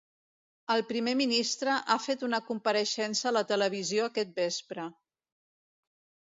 El primer ministre ha fet una compareixença a la televisió aquest vespre.